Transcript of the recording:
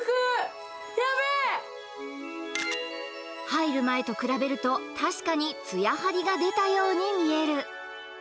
入る前と比べると確かにツヤハリが出たように見える